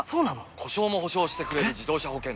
故障も補償してくれる自動車保険といえば？